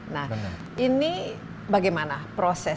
nah ini bagaimana proses